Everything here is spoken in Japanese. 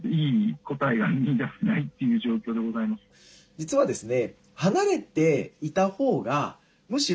実はですね